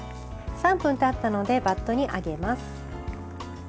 ３分たったのでバットにあげます。